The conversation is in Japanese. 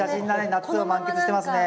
夏を満喫してますね。